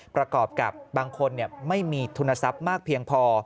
ประกอบกับบางคนไม่มีทุนทรัพย์มากเพียงพอ